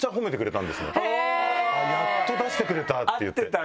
「やっと出してくれた！」って言って。